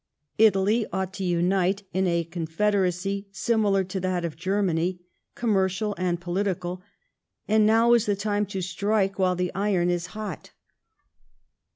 Italy ought (o unite in a confederacy similar to that of Germany, commercial and political, and now is the time to strike while the iron is hot.''